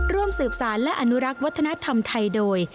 ร่วมสืบสารและอนุรักษ์วัฒนธรรมไทยโดย